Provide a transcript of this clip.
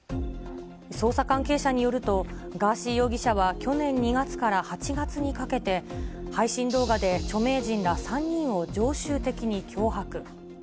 捜査関係者によると、ガーシー容疑者は去年２月から８月にかけて、配信動画で著名人ら３人を常習的に脅迫。